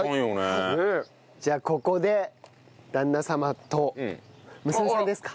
じゃあここで旦那様と娘さんですか？